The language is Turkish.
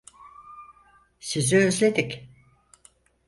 Sizi özledik.